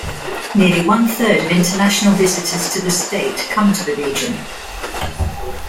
Nearly one third of international visitors to the state come to the region.